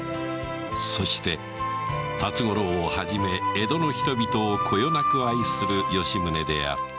そして辰五郎をはじめ江戸の人々をこよなく愛する吉宗であった